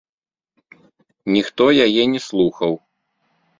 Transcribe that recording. Ніхто яе не слухаў.